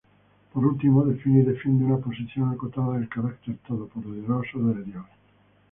Por último, define y defiende una posición acotada del carácter 'todopoderoso' de Dios.